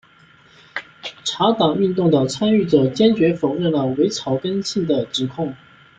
茶党运动的参与者坚决否认了伪草根性的指控。